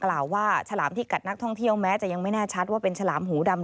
กล่าวว่าฉลามที่กัดนักท่องเที่ยวแม้จะยังไม่แน่ชัดว่าเป็นฉลามหูดำ